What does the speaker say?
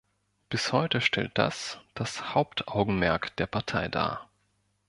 Bis heute stellt das das Hauptaugenmerk der Partei dar.